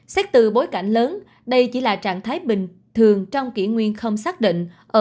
xét từ bối cảnh lớn đây chỉ là trạng thái bình thường trong kỷ nguyên không xác định